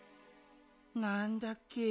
なんだっけ。